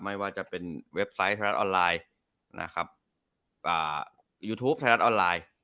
ไม่ว่าจะเป็นเว็บไซต์ไทยและออนไลน์